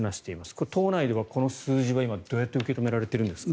これ、党内ではこの数字はどうやって受け止められているんですか。